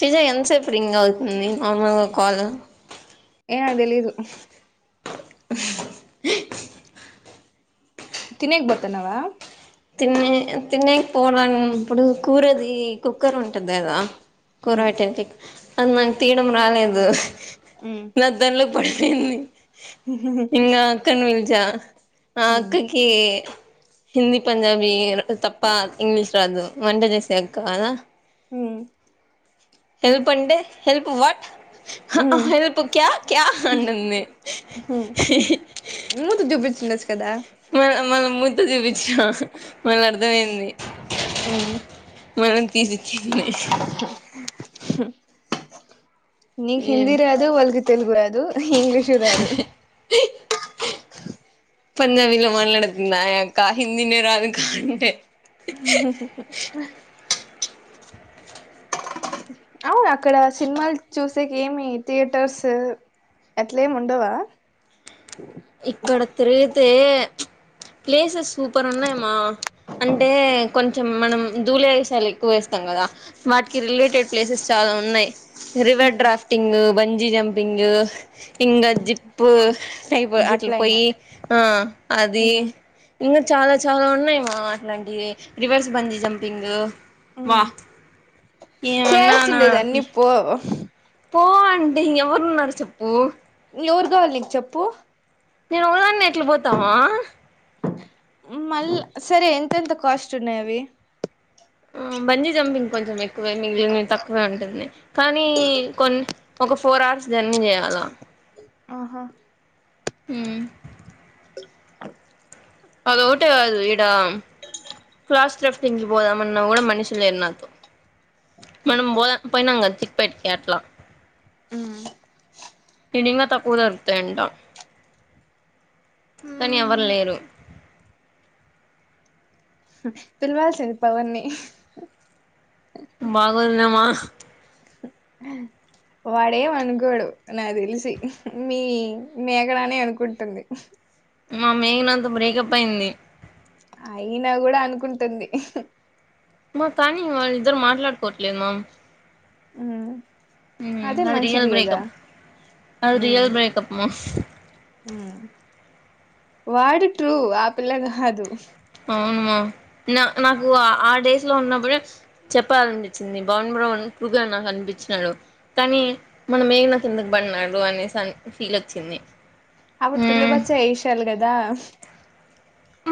శ్రీజ ఎంతసేపు రింగ్ అవుతుంది నార్మల్గా కాలు ఏ నాకు తెలీదు [inaudible] తినేక్ పోతానవా తిన్నే తినేక్ పోవడప్పుడు కూరది కుక్కర్ ఉంటది కదా కూర ఉమ్ పెట్టె టిప్ అది నాకు తీయడం రాలేదు ఉమ్ నాక్ దాంట్లో పడిపోఇంది ఇంగ అక్కనుంచా ఆ ఉమ్ అక్కకి హింది పంజాబీ తప్ప ఇంగ్లీష్ రాదు వంట చేసే అక్క కద మ్ హెల్ప్ అంటే హెల్ప్ వాట్ ఉమ్ క్యా క్యా అంటుంది ఉమ్ మూతి చూపించుండొచ్చు కదా మన మన ముద్ద చూపించ మల్ల అర్థమైంది ఆ మనం తీసి ఇచ్చింది [inaudible] నీకు హిందీ రాదు వాళ్ళకి తెలుగు రాదు ఇంగ్లీషు రాదు [inaudible] పంజాబీలో మాట్లాడుతుంది ఆ యక్క హిందీ నే రాదంటే హా హా అవును అక్కడ సినిమాలు చూసేకేమి థియేటర్స్ ఆట్లేముండవా ఇక్కడ తిరిగితే [inaudible] ప్లేసెస్ సూపర్ ఉన్నాయమా అంటే కొంచెం మనం ధూలేషాలు ఎక్కువేస్తాం కదా వాటికి రిలేటెడ్ ప్లేసెస్ చాలా ఉన్నాయి రివర్ డ్రాఫ్టింగ్ బంజీ జంపింగ్ ఇంగ జిప్పు అయిపో అట్లు జిప్లైన్ పోయి ఆ అది ఉమ్ ఇం చాలా చాలా ఉన్నాయి మా అట్లాంటివి రివర్స్ బంజ్ జంపింగ్ వా ఉమ్ ఏమన్నా నా చేయాల్సిండేది అన్ని పో పో అంటి ఇంగేవరున్నరు చెప్పు ఎవరు కావాలి నీకు చెప్పు నేను ఓకదాన్నే ఎట్ల పోతావా మ్ మళ్ళ సరే ఎంతెంత కాస్ట్ ఉన్నాయి అవి మ్ బంజీ జంపింగ్ కొంచెం ఎక్కువే మిగిలినవి తక్కువే ఉంటుంది కానీ కొన్ని ఒక ఫోర్ అవర్స్ జర్నీ చేయాలా ఆహా మ్ అదొకటే కాదు ఇడా క్లాస్ెఫంగ్కి పోదామన్నా కూడా మనిషి లేరు నాతో మనం పోద పోయినం కదా చిక్ పెట్కి అట్ల అ ఇడింగా తక్కువ దొరుకుతాయంట కానీ ఉమ్ ఎవరు లేరు పిలవాల్సింది పవన్నీ బాగోదు లేమ్మ హ వాడేం అనుకోడు నాకు తెలిసి మీ మేగనానే అనుకుంటుంది మా మేఘనతో బ్రేకప్ అయింది అయినా కూడా అనుకుంటుంది మా కానీ వాళ్ళ ఇద్దరు మాట్లాడుకోవట్లేదు మమ్ మ్ మ్ అది రియల్ బేకప్ అది రియల్ బేకప్ మ మ్ వాడు ట్రూ ఆ పిల్ల కాదు అవునమా నా నాకు ఆ డేస్ లో ఉన్నప్పుడే చెప్పాలనిపచ్చింది పవన్ బ్రో ఉన్ ట్రూగా నాకనిపించినాడు కానీ మనం మేగనకు ఎందుకు పడినాడు అనేసన్ ఫీల్ వచ్చింది అ అప్పుడు పిల్ల బచ్చ ఎషాలు కదా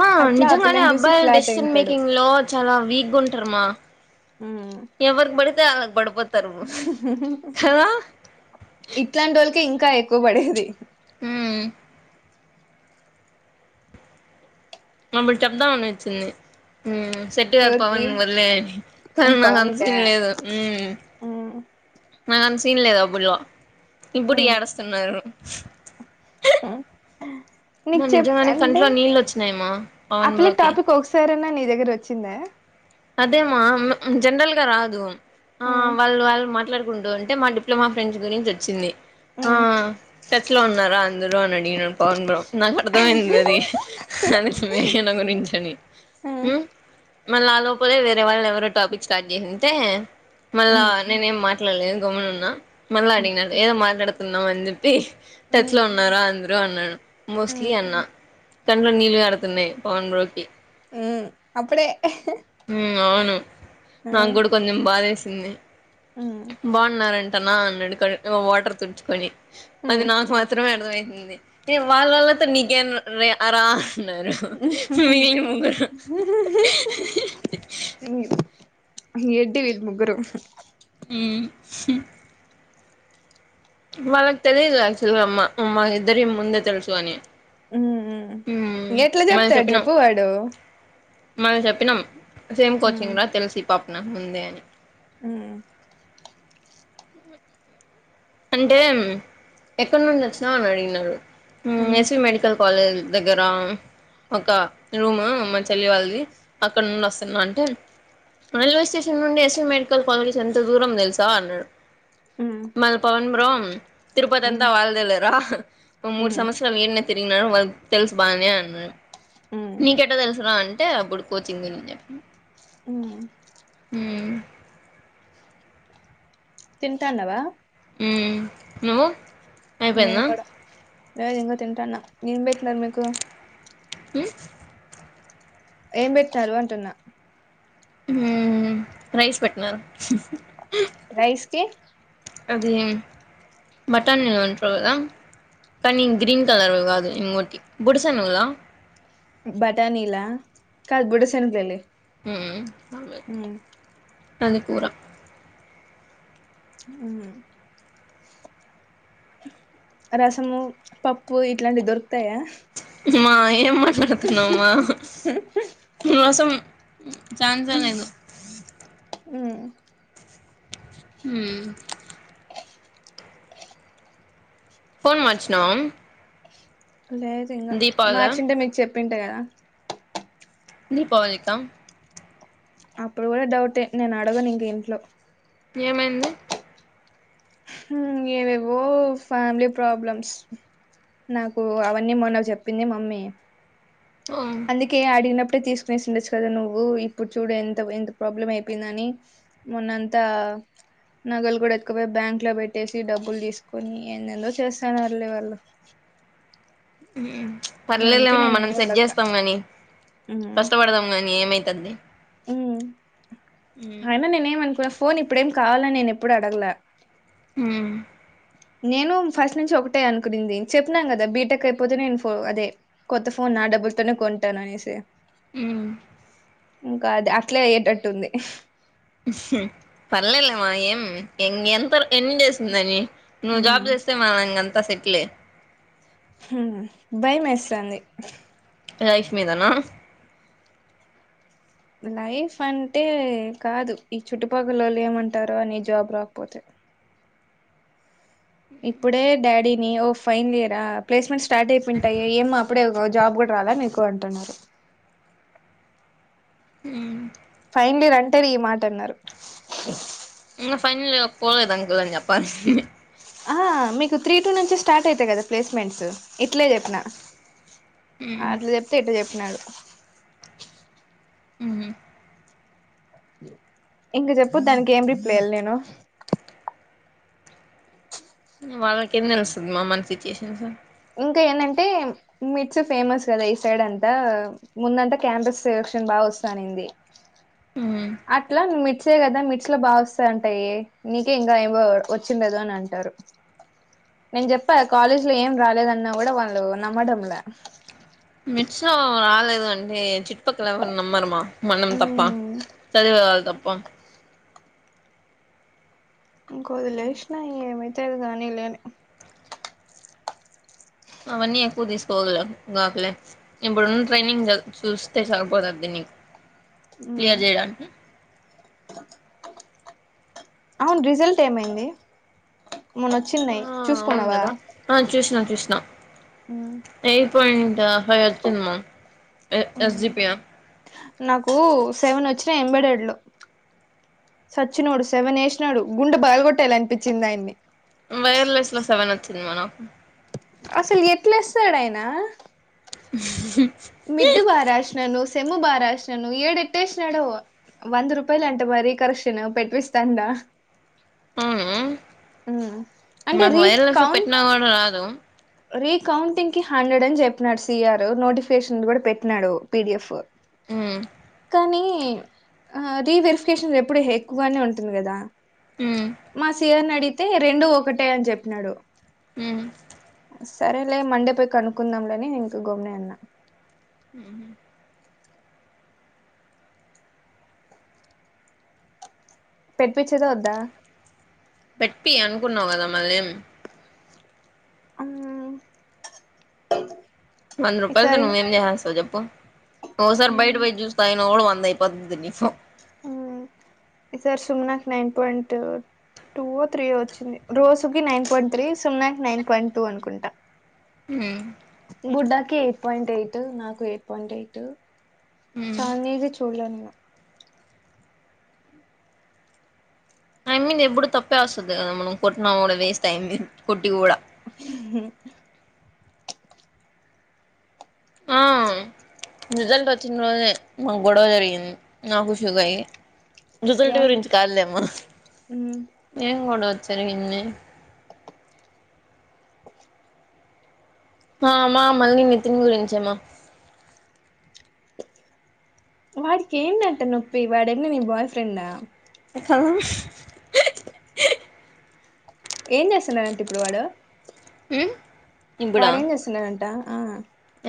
మా అట్లా ఆ నిజంగానే పిల్లని చూసి అబ్బాయిలు ఫ్లాట్ డెసిషన్ అయింటాడు మేకింగ్ లో చాలా వీక్గా ఉంటారమ్మా ఉమ్ ఎవర్కి బడితే అల్లక్ బడిపోత్ ఇట్లాంటోళ్ళకే ఇంకా ఎక్కువ పడేది మ్ మమ్ముల్ని చెప్దామని వచ్చింది మ్ సెట్ కాదు ఎవరికి పవన్ వదిలేయని ఆ కానీ నాకు పవన్ అంత కా సిన్ లేదు ఉమ్ నాక్ అంత తింన్లేదప్పుడు ఇప్పుడు ఉమ్ ఏడుస్తున్నారు ఉమ్ మా నీకు చెప్ నిజంగానే అంటే కంట్లో నీళ్ళు వచ్చినాయమ్మా అ పవన్ పిల్ల బ్రోకి టాపిక్ ఒకసారన్న ని దగ్గరోచ్చిందా అదేమా జనరల్ గా రాదు ఆ ఉమ్ వాళ్ళు వాళ్ళు మట్ ట్లాడుకుంటూఉంటే మా డిప్లమా ఫ్రెండ్ గురించి వచ్చింది ఆ ఉమ్ టచ్ లో ఉన్నారా అందరు అని అడిగినను పవన్ బ్రో నాకు అర్థమైంది అది అది మేఘన గురించని మ్మ్ మ్ మరినాలో వేరే వాళ్ళేవరో టాపిక్ స్టార్ట్ చేసింటే మళ్ళా మ్మ్ నేనే ఏం మాట్లాడలేదు గమ్మునున్నా మళ్ళా మ్మ్ అడిగినాడు ఏదో మాట్లాడుతున్నాం అని చెప్పి టచ్ లో ఉన్నార అందరు అన్నాడు మోస్ట్లీ మ్మ్ అన్నా కండ్లో నీళ్ళు కారుతున్నాయి పవన్ బ్రో కి మ్ అప్పుడే మ్ అవును నాకు మ్మ్ కూడా కొంచెం బాధేసింది మ్మ్ బాగున్నారంటనా అన్నడు కల్ వాటర్ తుడుచుకొని అది మ్మ్ నాకు మాత్రమే అర్థమైం ది ఏ వాళ్ళ వల్లతో నీకేం రే రా అన్నారు మిగిలిన ముగ్గురు ఇంగ్ ఏంటి వీల్ ముగ్గురు మ్ వాళ్ళకి తెలీదు యాక్చువల్ గా అమ్మ మాకిద్దరి ముందే తెలుసు అని మ్ ఉమ్ మ్ ఎట్లా జెప్తడు చెప్పు వాడు మళ్ళ చెప్పినాం సేమ్ కోచింగ్ రా తెలుసు ఈ పాపనకు ముందే అని మ్ అంటే ఎక్కడి నుండి వచ్చినావ్ అని అడిగినడు మ్ మ్మ్ ఎస్వి మెడికల్ కాలేజ్ దగ్గర ఒక రూమ్ మ చెల్లి వాళ్ళది అక్కడ నుండి వస్తున్నా అంటే రైల్వే స్టేషన్ నుండి ఎస్వి మెడికల్ కాలేజ్ ఎంత దూరం తెలుసా అన్నాడు మ్మ్ మల్ పవన్ బ్రో తిరుపతంతా మ్మ్ వాల్దేలేరా మూడు మ్మ్ సంవత్సరలు ఇన్నే తిరివాళ్లకు తెలుసు బనే అన్నాడ్ మ్మ్ నీకెట్ట కట్టా తెలుసు ర అం టే అప్పుడు కోచింగ్ ఇన్నే చెప్పిన మ్ మ్ తింటాన్నవా మ్ నువ్వు నేను అయిపోయిందా కూడా లేద్ ఇంగ తింటాన్న ఎం పెట్టినారు మీకు మ్ ఏం పెట్టినారు అంటున్నా మ్ రైస్ పెట్టినారు రైస్ కి అది బటానీలు ఉంటారు కదా కానీ గ్రీన్ కలర్ వి కాదు ఇంోటి బుడ్డసేనిగల బటానీలా కాదు బుడ్డసెనిగలు మ్ మ్ అది కూరా మ్ రసము పప్పు ఇట్లాంటియి దొర్ మా ఏం మాట్లాడుతున్నావ్ మా రసం చాన్సే లేదు ఉమ్. మ్ ఫోన్ మార్చినవా లేదు ఇంగ మార్చింటే మీక్ చెప్పింట కదా దీపవళిక అప్పుడు కూడా డౌటే నేను అడగను ఇంకా ఇంట్లో ఏమైంది హుమ్ ఏవేవో ఫ్యామిలీ ప్రాబ్లమ్స్ నాకు అవన్నీ మొన్న చెప్పింది మమ్మీ ఓ అందుకే అడిగినప్ ట్టే తీసుకునేసి ఉండొచ్చు కదా నువ్వు ఇప్పుడు చూడు ఎంత ఎంత ప్రాబ్లం అయిపోయిందని మొన్నంతా నగల్ కూడా ఎత్తుకుపోయి బ్యాం ఇట్లో పెట్టేసి డబ్బులు తీసుకొని ఏందేందో చేస్తారు వాళ్ళు వాళ్లు పర్లేలేమ మనం ఏం సెట్ చేస్తాం గాని కష్టపడుదాం గాని ఏమై మ్ ఉమ్ అయినా నీనేం అనుకోలే అస్ పోన్ ఇప్పుడేం కావాలని నేనెప్పుడూ అడగలే మ్ నేను ఫస్ట్ నుంచి ఒకటే అనుకుంది చెప్పిన కదా బీటెక్ అయిపోతే నేను ఫో అదే కొత్త ఫోన్ నా డబ్బులతోనే కొంటాననేసి మ్ ఇంకా అద్ అట్లే అయ్యేటట్టుంది పర్లేలేమా ఏం ఇంగెంత ఎన్ని డేసుందని నువ్వు ఉమ్, జాబ్ చేస్తే మన ఇంగంతా సెటిలే మ్ భయమేస్థంది లైఫ్ మీదనా లైఫ్ అంటే కాదు ఈ చుట్టుపక్కలోళ్ళు ఏమంటారో అని జాబ్ రాకపోతే ఇప్పుడే డాడీని ఓ ఫైన్ ఇయరా ప్లేస్మెంట్ స్టార్ట్ అయిపోఇంటాయి ఏమ్ అప్పుడే జాబ్ కూడా రాలా నీకు అంటున్నారు మ్ ఫైన్లీయర్ అంటే ఈ మాటన్నారు ఇంగ ఫైనల్ ఇయర్ కు పోలేదంకుల్ అని చెప్పాలి ఆహా మీకు త్రీ టూ నుంచి స్టార్ట్ అయితాయి కదా ప్లేస్మెంట్స్ ఇట్లే చెప్పిన అట్లా చెప్తే ఇట్ట చెప్పినాడు మ్ ఇంగ చెప్పు దానికి ఏం రిప్లేఇయ్యాలి నేను వాళ్ళకిేం తెలుస్తది మా మన సిచ్యుయేషన్స్ ఇంకా ఏంటంటే మిర్చ్ ఫేమస్ కదా ఈ సైడ్ అంతా ముందంతా క్యాంపస్ సెలక్షన్ బాగ గోస్తానింది అట్లా మిడ్ ఇే కదా మిడ్స్ లో బాగోస్తాయింటాయి నీకే ఇంకా ఏంో వచ్చుండదు అని అంటారు నేను చెప్పా కాలేజ్ లో ఏం రాలేదన్నా కూడా వాళ్ళు నమ్మడంలే మిడ్స్ లో రాలేదండి చిట్ పక్కలో ఉన్నాం మనము మనం తప్ప మ్మ్ చదివేవాళ్లు తప్ప ఇంకొదిలేసిన ఇగ ఏమైతది గానీ లే అని అవన్నీ ఎక్కువ తీసుకపోదులే గకులే ఇప్పుడున్న ట్రైనింగ్ చూస్తే సరిపోతది దీన్ని క్లియర్ చేయడానికి అవును రిజల్ట్ ఏమైంది మొన్న వచ్చిన్నాయి చూసుకున్నావా చుష్నా ఎయి పాయింట్ పై వచ్చింది మ ఎ ఎస్జిపి ఆ నాకు సెవెనోచ్చినాయి ఎంబేడేడ్ లు సచ్చినోడు సెవన్ వేసినాడు గుండు పలుగొట్టేయలనిపించింది ఆయన్ని వైర్లెస్ లో సెవెన్ వచ్చిందిమన అసలు ఎట్లేస్తడాయినా మిడ్డు బారాష్నను సెమ్ము బారాశ్నను ఏడెట్టేష్నాడో వంద రూపాయలంట రికర్షన్ పెట్విస్థంద అవునా అంటే మాకు వైర్లెస్లు పెట్టినా కూడా రాదు రీ కౌంటింగ్ కి హండ్రెడ్ అని చెప్పినాడు సిఆర్ నోటిఫికేషన్ కూడా పెట్టినాడు పిడిఎఫ్ మ్ కానీ ఆ రీవెరిఫికేషన్ ఎప్పుడు ఎక్కువగానే ఉంటుంది కదా ఉమ్ మా సిఅర్నాడిగితే రెండు ఒకటే అని చెప్పినాడు మ్ సరేలే మండే పై కనుక్కుందాంలే అని ఇంక గమ్మునే ఉన్నా అ పెట్పించేదోద్దా పెట్టిపియ్యి అనుకున్నావు కదా మళ్ళి అం వంద రూపాయలతో నువ్వేం చేసేస్తావు చెప్పు ఓసారి బయట మ్మ్ పోయి జ్యూస్ తాగిన కుడా వం దైపోతుంది నీకు మ్ ఈ సరి సున్నకు నైన్ పాయింట్ టూ ఓ త్రీ ఓ వచ్చింది రోజుకి నైన్ పాయింట్ త్రీ సున్నకి నైన్ పాయింట్ టూ అనుకుంటా మ్ కి ఎయిట్ పాయింట్ ఎయిట్ నాకు ఎయిట్ పాయింట్ ఎయిట్ ఉమ్ శాలినిది చూళ్ళేదు నేను ఆ యమ్మిది ఎప్పుడు తప్పే వస్తది కద మనం కొట్టిన కూడా వేస్ట్ టైం వేస్ కొట్టి కూడా మ్మ్. ఆ రిజల్ట్ వచ్చిన రోజే మాకు గొడవ జరిగింది నాకు షూగాయ్ రిజల్ట్ ఏమన్ గురించి కాదులేమ్మ మ్మ్ ఏం గొడవ జరిగింది హా మా మల్ని నితిన్ గురించేమా వాడికి ఏంటంట నొప్పి వాడేమన్న నీ బాయ్ ఫ్రెండా కా ఏం చేస్తున్నారంట ఇప్పుడు వాడు ఉమ్ ఇప్పుడా వాడేం చేస్తున్నాడంట ఆ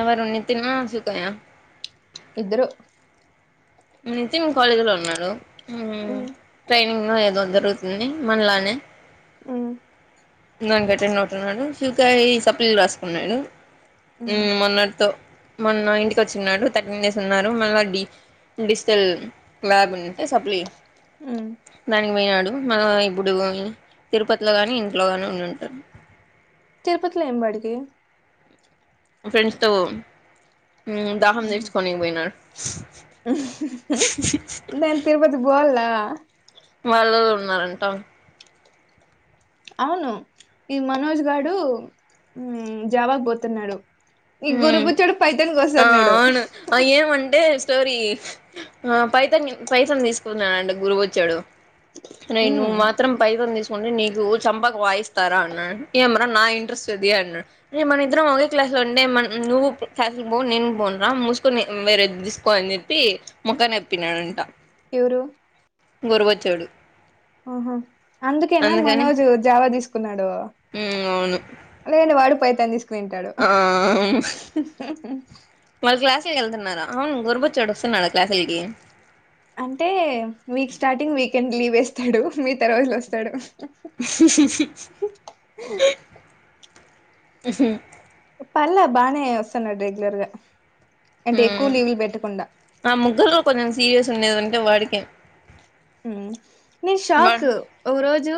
ఎవరు నితినా సుకయా ఇద్దరు నితిన్ కాలేజ్లో ఉన్నాడు. మ్మ్ ట్రైనింగో ఏదో జరుగుతు తుంది మనలానే మ్మ్ దానిక్ అటెండ్ అవుతున్నాడు. సుకాయ్ సప్లీల్ రాస్కున్నాడు. మ్మ్ మ్ మొన్నట్తో మొన్న ఇంటికచ్చిన్నాడు థర్టీన్ డేస్ ఉన్నారు మళ్ళ డి డిజిటల్ లాబ్ ఉంటే సప్లీ మ్మ్ దానికి పొయినాడు. మన ఇప్పుడు తిరుపతిలో గానీ ఇంట్లో గాని ఉండి ఉంటారు. తిరుపతిలో ఏం వాడికి ఫ్రెండ్స్తో దాహం నేర్చుకోనీకి పోయినాడు. దానిక్ తిరుపతిక్ పోవాలా వాళ్ళు ఉన్నారంట. అవును ఈ మనోజ్ గాడు జావాక్ పోతున్నాడు. ఈ మ్మ్ గురుబుచ్చోడు పైథాన్ ఆ కొస్తన్నాడు. అవును ఆ ఏమంటే స్టోరీ ఆ పైథాన్ పైథాన్ తీస్కున్నానండి గురుబుచ్చోడు. నే మ్మ్ నువ్ మాత్రం పైథాన్ తీస్ కొని నీకు చంపక వాయిస్తారా అన్నాన్ ఏంరా నా ఇంట్రెస్ట్ అది అన్నాడ్ ఏ మన ఇద్దరం ఒకే క్లాస్లో నేన్ మన నువ్వు క్లాస్లక్ పోవ్ నేను పోనురా మూస్కొని వేరేద్ తీస్కో అని చెప్పి మోకాన ఇడంటా ఎవరు? గురుబుచ్చోడు. ఆహా అందుకేనా మనోజ్ జావా తీసుకున్నాడు. మ్మ్ అవును లేదు వాడు పైథాన్ తీస్కునీ ఉంటాడు. ఆ కెళ్తున్నారా అవును గురుబుచ్చోడు వస్తున్నాడు క్లాస్లకి అంటే వీక్ స్టార్టింగ్ వీకెండ్ లీవేస్తాడు మీత రోజుల్ వస్తాడు. పార్ల బానే వస్తున్నాడు రెగులర్గా మ్ ఆ ముగ్గుర్గ కొంచం సీరియస్ ఉండేదుంటే వాడికే నే షాక్ వాడ్ ఒక రోజు